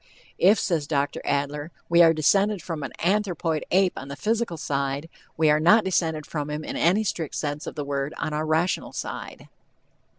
"If," says Dr. Adler, "we are descended from an anthropoid ape on the physical side, we are not descended from him in any strict sense of the word on our rational side."